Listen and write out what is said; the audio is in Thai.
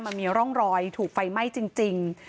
มันมีร่องรอยถูกไฟไหม้จริง